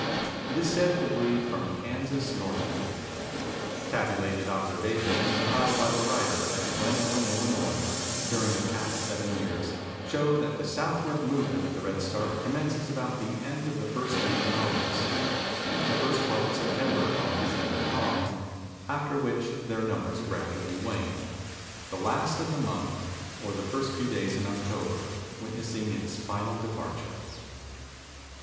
It is said to breed from Kansas northward. Tabulated observations compiled by the writer at Glen Ellyn, Illinois, during the past seven years, show that the southward movement of the Redstart commences about the end of the first week in August; the first part of September finds them common, after which their numbers gradually wane, the last of the month, or the first few days in October, witnessing its final departure.